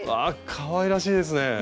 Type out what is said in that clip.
かわいらしいですね。